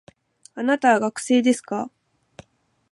あなたは学生ですか